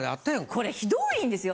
これひどいんですよ。